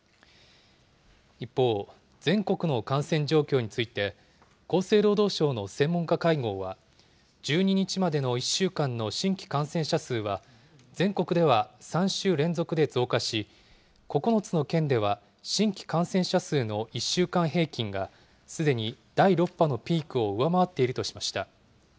一方、全国の感染状況について、厚生労働省の専門家会合は、１２日までの１週間の新規感染者数は、全国では３週連続で増加し、９つの県では、新規感染者数の１週間平均が、すでに第６波のピークを上回っているとしました。